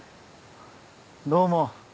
どうも。